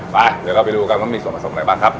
ไปเดี๋ยวเราไปดูกันว่ามีส่วนผสมอะไรบ้างครับ